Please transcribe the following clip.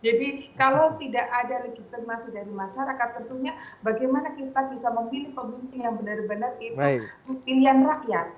jadi kalau tidak ada legitimasi dari masyarakat tentunya bagaimana kita bisa memilih peguam yang benar benar itu pilihan rakyat